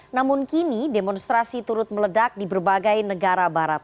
namun kini demonstrasi turut meledak di berbagai negara barat